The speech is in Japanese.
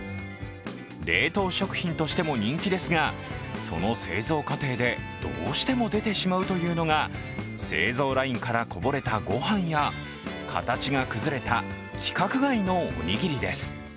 冷凍食品としても人気ですがその製造過程でどうしても出てしまうというのが製造ラインからこぼれた御飯や形が崩れた規格外のおにぎりです。